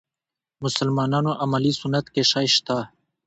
مسلمانانو عملي سنت کې شی شته.